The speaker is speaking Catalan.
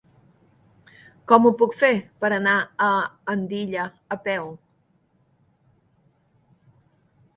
Com ho puc fer per anar a Andilla a peu?